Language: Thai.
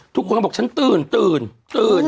ทุกคนก็บอกฉันตื่นตื่นตื่น